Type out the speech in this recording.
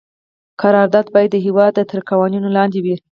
قرارداد باید د هیواد تر قوانینو لاندې وي.